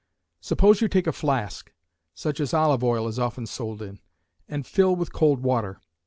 Suppose you take a flask, such as olive oil is often sold in, and fill with cold water.